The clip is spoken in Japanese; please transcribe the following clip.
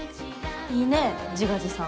いいね自画自賛。